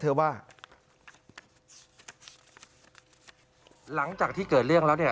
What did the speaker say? ส่วนหนูก็เลือดออกท้อง